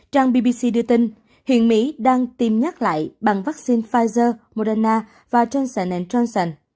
trang bbc đưa tin hiện mỹ đang tiêm nhắc lại bằng vaccine pfizer moderna và johnson johnson